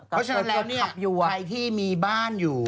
เพราะฉะนั้นแล้วเนี่ยใครที่มีบ้านอยู่